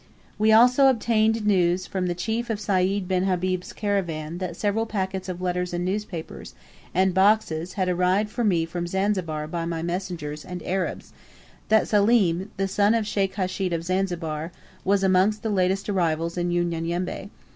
'" We also obtained news from the chief of Sayd bin Habib's caravan that several packets of letters and newspapers, and boxes, had arrived for me from Zanzibar by my messengers and Arabs; that Selim, the son of Sheikh Hashid of Zanzibar, was amongst the latest arrivals in Unyanyembe.